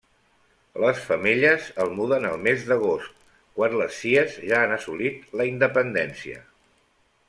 Les femelles el muden al mes d'agost, quan les cies ja han assolit la independència.